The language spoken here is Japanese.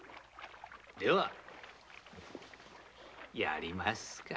ではやりますか？